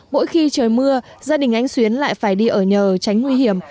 mỗi khi trời mưa gia đình anh xuyến lại phải đi ở nhờ tránh nguy hiểm